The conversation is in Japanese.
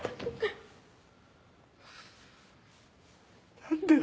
何でだよ。